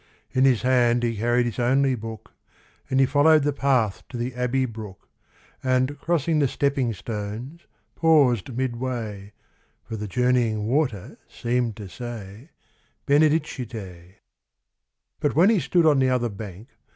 In his hand he carried his only book, And he followed the path to the Abbey brook, And, crossing the stepping stones, paused midway, For the journeying water seemed to say, Benedicite. II But when he stood on the other bank.